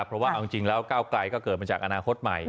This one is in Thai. เพราะว่าเอาจริงแล้วก้าวไกลก็เกิดมาจากอนาคตใหม่